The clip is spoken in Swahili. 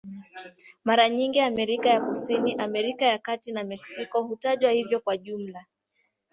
Mara nyingi Amerika ya Kusini, Amerika ya Kati na Meksiko hutajwa hivyo kwa jumla.